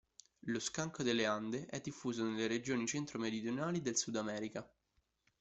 Lo skunk delle Ande è diffuso nelle regioni centro-meridionali del Sudamerica.